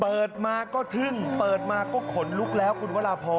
เปิดมาก็ทึ่งเปิดมาก็ขนลุกแล้วคุณวราพร